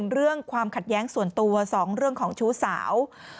เรื่องความขัดแย้งส่วนตัว๒เรื่องของชู้สาว